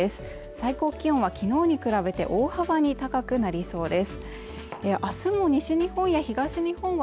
最高気温はきのうに比べて大幅に高くなりそうです